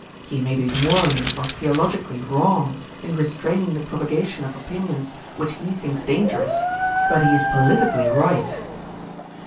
He may be morally or theologically wrong in restraining the propagation of opinions which he thinks dangerous, but he is politically right.'